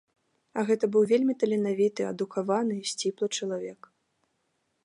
А гэта быў вельмі таленавіты, адукаваны і сціплы чалавек.